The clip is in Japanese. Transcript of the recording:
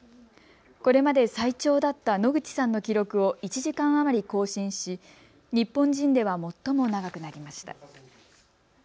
これまで最長だった野口さんの記録を１時間余り更新し、日本人では最も長くなりました。